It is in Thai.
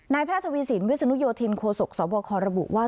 แพทย์ทวีสินวิศนุโยธินโคศกสบคระบุว่า